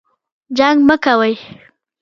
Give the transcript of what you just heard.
جنګ مه کوئ